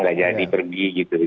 gak jadi pergi gitu